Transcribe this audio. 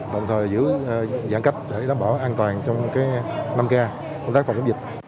đồng thời giữ giãn cách để đảm bảo an toàn trong cái năm ca công tác phòng chống dịch